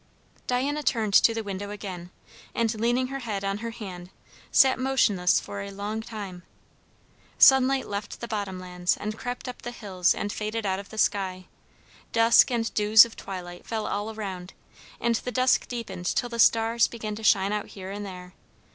Diana turned to the window again, and leaning her head on her hand, sat motionless for a long time. Sunlight left the bottom lands and crept up the hills and faded out of the sky. Dusk and dews of twilight fell all around, and the dusk deepened till the stars began to shine out here and there.